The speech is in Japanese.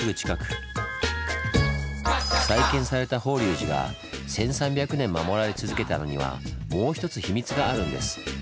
再建された法隆寺が１３００年守られ続けたのにはもうひとつヒミツがあるんです。